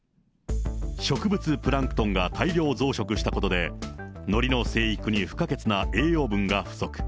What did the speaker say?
植物プランクトンが大量増殖したことで、のりの生育に不可欠な栄養分が不足。